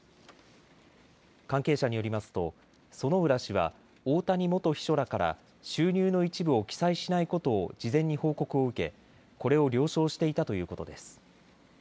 関係者によりますと薗浦氏は大谷元秘書らから収入の一部を記載しないことを事前に報告を受けこれを了承していたということです。